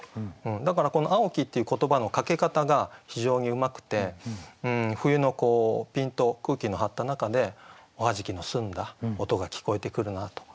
だからこの「蒼き」っていう言葉のかけ方が非常にうまくて冬のピンと空気の張った中でおはじきの澄んだ音が聞こえてくるなと。